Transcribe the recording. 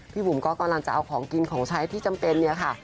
บุ๋มก็กำลังจะเอาของกินของใช้ที่จำเป็นเนี่ยค่ะ